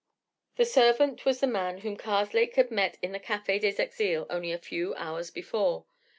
The servant was the man whom Karslake had met in the Café des Exiles only a few hours before.